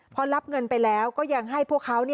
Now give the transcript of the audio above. พอรับเงินไปแล้วก็ยังให้พวกเขา